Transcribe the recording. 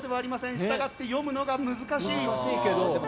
したがって、読むのが難しい。